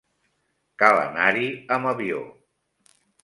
Cal anar-hi amb avió.